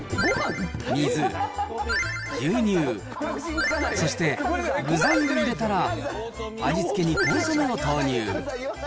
水、牛乳、そして具材を入れたら、味付けにコンソメを投入。